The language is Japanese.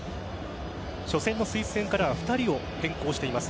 初戦のスイス戦からは２人を変更しています。